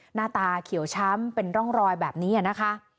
หน้าตาเขียวช้ำเป็นร่องรอยแบบนี้นะคะ